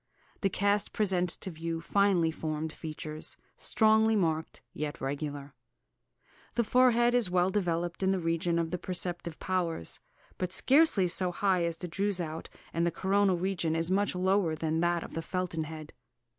The cast presents to view finely formed features, strongly marked, yet regular. The forehead is well developed in the region of the perceptive powers; but scarcely so high as the Droeshout, and the coronal region is much lower than in that of the Felton head.